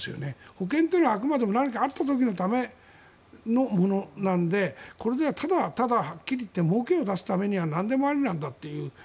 保険というのはあくまでも何かあった時のためのものなのでこれではただはっきり言ってもうけを出すためにはなんでもありなんだという。